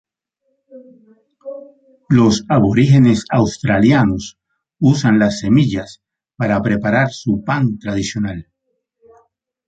Los aborígenes australianos usan las semillas para preparar su pan tradicional.